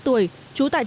trú tại thị xã an nhơn